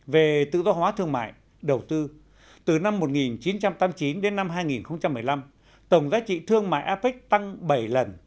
về tự do hóa thương mại đầu tư từ năm một nghìn chín trăm tám mươi chín đến năm hai nghìn một mươi năm tổng giá trị thương mại apec tăng bảy lần